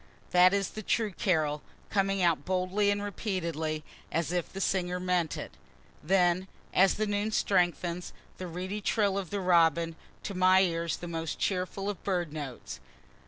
that is a true carol, coming out boldly and repeatedly, as if the singer meant it.) Then as the noon strengthens, the reedy trill of the robin to my ear the most cheering of bird notes.